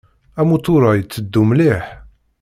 Amutur-a itteddu mliḥ.